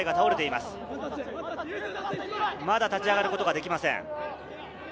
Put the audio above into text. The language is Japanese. まだ立ち上がることができません。